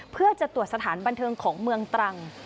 เพื่อจะตรวจสถานบันเทิงของเมืองตรัง